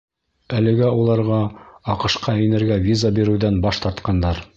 Әлегә уларға АҠШ-ҡа инергә виза биреүҙән баш тартҡандар.